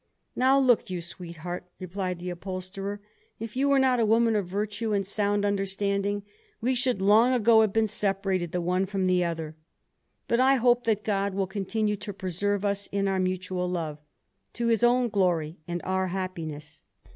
"Now look you, sweetheart," replied the upholsterer, "if you were not a woman of virtue and sound understanding we should long ago have been separated the one from the other. But I hope that God will continue to preserve us in our mutual love, to His own glory and our happiness."